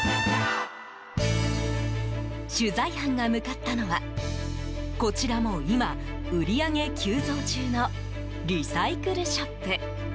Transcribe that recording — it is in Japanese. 取材班が向かったのはこちらも今、売り上げ急増中のリサイクルショップ。